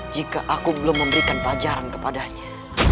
jika aku belum memberikan pelajaran kepadanya